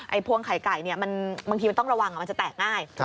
ไอ้พวงไข่ไก่เนี่ยมันบางทีมันต้องระวังอ่ะมันจะแตกง่ายถูกไหม